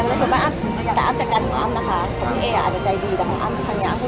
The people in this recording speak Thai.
รู้จักอย่างไรนะว่าเค้าเป็นตัวภูมิเห็นแย่